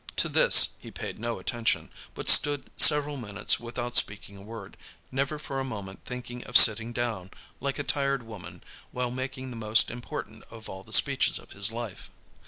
To this he paid no attention, but stood several minutes without speaking a word, never for a moment thinking of sitting down like a tired woman while making the most important of all the speeches of his life.